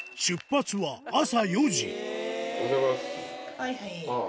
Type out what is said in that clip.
はいはい！